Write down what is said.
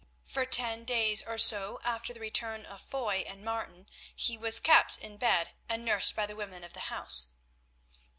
For ten days or so after the return of Foy and Martin, he was kept in bed and nursed by the women of the house.